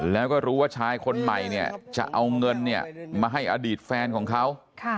แล้วก็รู้ว่าชายคนใหม่เนี่ยจะเอาเงินเนี่ยมาให้อดีตแฟนของเขา